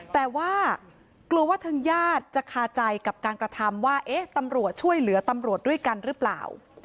แต่ว่ากลัวว่าทางญาติจะคาใจกับการกระทำว่าเอ๊ะตำรวจช่วยเหลือตำรวจด้วยกันหรือเปล่า